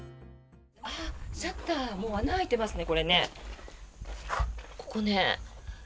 シャッター穴開いてますね、これ。